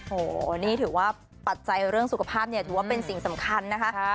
โอ้โหนี่ถือว่าปัจจัยเรื่องสุขภาพเนี่ยถือว่าเป็นสิ่งสำคัญนะคะ